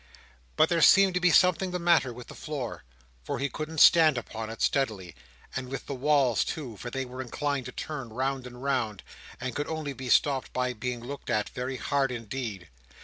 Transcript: But there seemed to be something the matter with the floor, for he couldn't stand upon it steadily; and with the walls too, for they were inclined to turn round and round, and could only be stopped by being looked at very hard indeed.